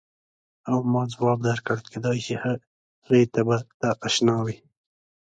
او ما ځواب درکړ کېدای شي هغې ته به ته اشنا وې.